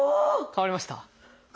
変わりました！